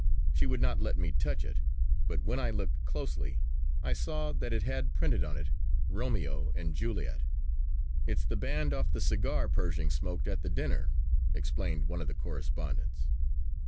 She would not let me touch it, but when I looked closely I saw that it had printed upon it "Romeo and Juliet." "It's the band off the cigar Pershing smoked at the dinner," explained one of the correspondents.